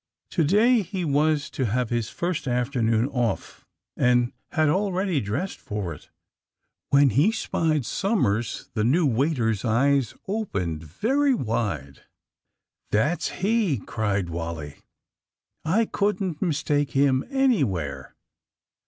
To day he was to have his first afternoon off, and had already dressed for it. When he spied Somers the new waiter's eyes opened very wide.. ^^ That's he! ".cried Wally. I couldn't mis take him anywhere.